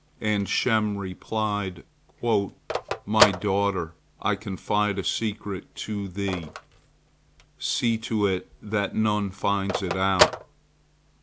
And Shem replied: "My daughter, I confide a secret to thee. See to it that none finds it out.